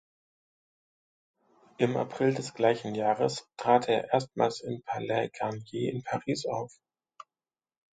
Im April des gleichen Jahres trat er erstmals am Palais Garnier in Paris auf.